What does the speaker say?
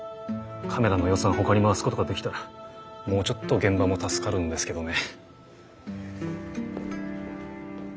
カメラの予算ほかに回すことができたらもうちょっと現場も助かるんですけどね。